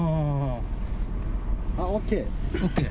あっ、ＯＫ。